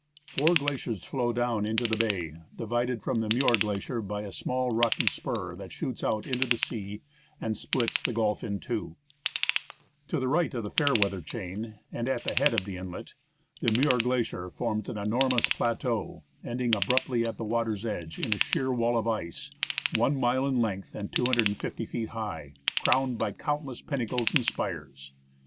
Four glaciers flow down into the bay, divided from the Muir Glacier by a small rocky spur that shoots out into the sea and splits the gulf in two. To the right of the Fairweather chain, and at the head of 33 » THE ASCENT OF MOUNT ST. ELIAS ' t< vwiVifi the inlet, the Muir Glacier forms an enormous plateau, ending abruptly at the water's edge in a sheer wall of ice, one mile in length and 250 feet high, crowned by countless pinnacles and spires.